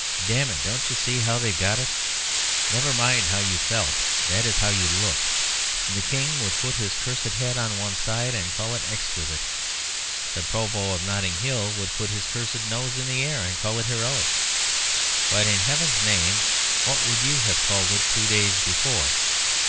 Damn it! don't you see how they've got us? Never mind how you felt that is how you looked. The King would put his cursed head on one side and call it exquisite. The Provost of Notting Hill would put his cursed nose in the air and call it heroic. But in Heaven's name what would you have called it two days before?"